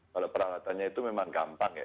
kalau peralatannya itu memang gampang ya